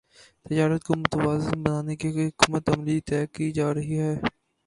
تجارت کو متوازن بنانے کی حکمت عملی طے کی جارہی ہے